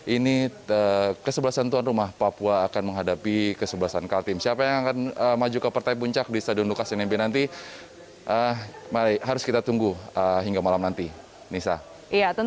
ini adalah pesilat asal nusa tenggara timur